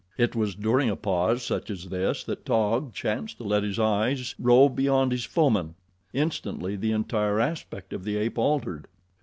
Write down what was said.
It was during a pause such as this that Taug chanced to let his eyes rove beyond his foeman. Instantly the entire aspect of the ape altered.